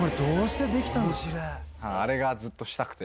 あれがずっとしたくて。